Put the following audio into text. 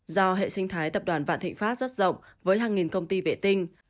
do hệ sinh thái tập đoàn vạn thịnh pháp rất rộng với hàng nghìn công ty vệ tinh